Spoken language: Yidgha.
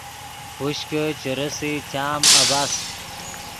ہوش کہ چے رېسئے چام عبث